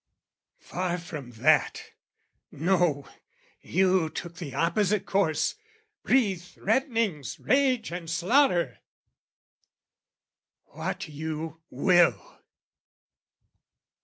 "Far from that! No, you took the opposite course, "Breathed threatenings, rage and slaughter!" What you will!